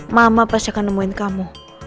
mama pasti akan nemuin kamu